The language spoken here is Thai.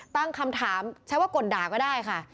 ตั้งคำถามใช้ว่ากลด่าก็ได้ค่ะ